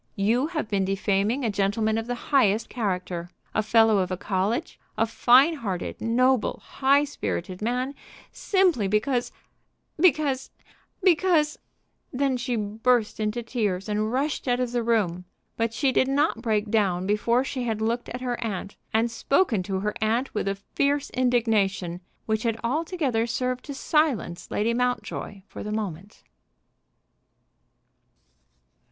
You have been defaming a gentleman of the highest character, a Fellow of a college, a fine hearted, noble, high spirited man, simply because because because " Then she burst into tears and rushed out of the room; but she did not break down before she had looked at her aunt, and spoken to her aunt with a fierce indignation which had altogether served to silence Lady Mountjoy for the moment.